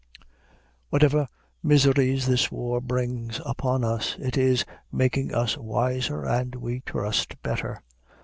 Whatever miseries this war brings upon us, it is making us wiser, and, we trust, better.